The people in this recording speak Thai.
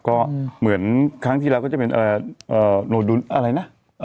ก็เหมือนครั้งที่แล้วก็จะเป็นโนดุลอะไรนะ